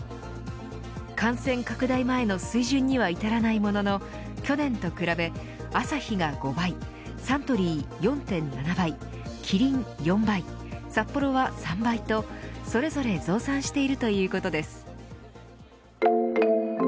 感染拡大前の水準には至らないものの去年と比べアサヒが５倍サントリー４．７倍キリン４倍サッポロは３倍とそれぞれ増産しているということです。